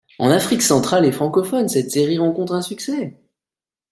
En Afrique centrale et francophone, cette série rencontre un succès.